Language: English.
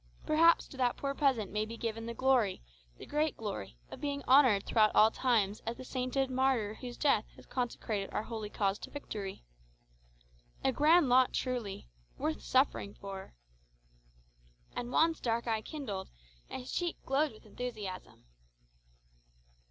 Perhaps to that poor peasant may be given the glory the great glory of being honoured throughout all time as the sainted martyr whose death has consecrated our holy cause to victory. A grand lot truly? Worth suffering for!" And Juan's dark eye kindled, and his cheek glowed with enthusiasm.